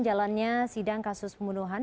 jalannya sidang kasus pembunuhan